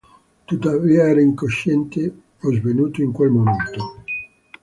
Tuttavia, era incosciente o svenuto in quel momento.